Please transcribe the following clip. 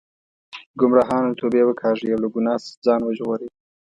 ګمراهانو توبې وکاږئ او له ګناه ځان وژغورئ.